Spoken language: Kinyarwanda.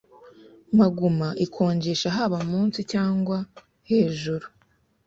Maguma ikonjesha haba mu nsi cyangwa hejuru